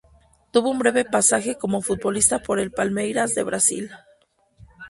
Tuvo un breve pasaje como futbolista por el Palmeiras de Brasil.